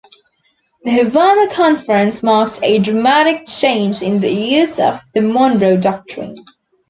The Havana Conference marked a dramatic change in the use of the Monroe Doctrine.